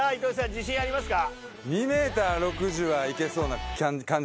自信ありますか？